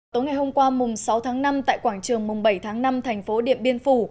tối ngày hôm qua mùng sáu tháng năm tại quảng trường mùng bảy tháng năm thành phố điện biên phủ